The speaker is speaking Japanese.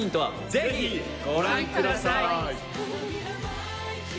ぜひご覧ください。